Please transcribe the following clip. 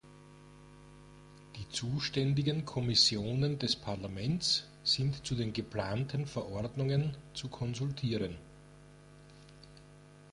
Die zuständigen Kommissionen des Parlaments sind zu den geplanten Verordnungen zu konsultieren.